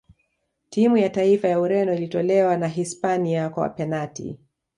timu ya taifa ya ureno ilitolewa na hispania kwa penati